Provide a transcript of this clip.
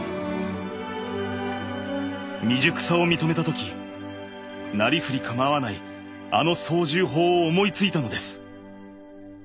未熟さを認めた時なりふりかまわないあの操縦法を思いついたのです。